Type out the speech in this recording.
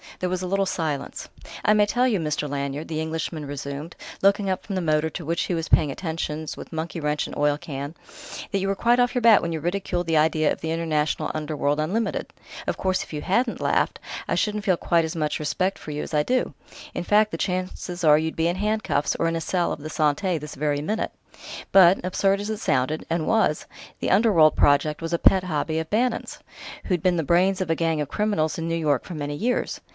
There was a little silence.... "I may tell you, Mr. Lanyard," the Englishman resumed, looking up from the motor, to which he was paying attentions with monkey wrench and oil can, "that you were quite off your bat when you ridiculed the idea of the 'International Underworld Unlimited.' Of course, if you hadn't laughed, I shouldn't feel quite as much respect for you as I do; in fact, the chances are you'd be in handcuffs or in a cell of the Santé, this very minute.... But, absurd as it sounded and was the 'Underworld' project was a pet hobby of Bannon's who'd been the brains of a gang of criminals in New York for many years.